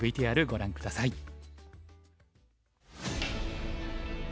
ＶＴＲご覧下さい。